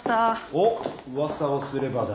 おっ噂をすればだ。